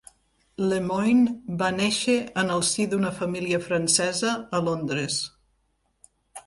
Lemoinne va néixer en el si d'una família francesa a Londres.